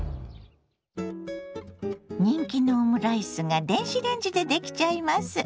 人気のオムライスが電子レンジでできちゃいます。